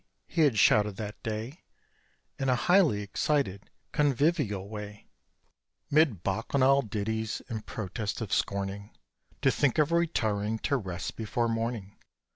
He had shouted that day In a highly excited convivial way, 'Mid Bacchanal ditties, and protests of scorning To think of retiring to rest before morning.